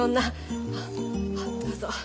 あどうぞ。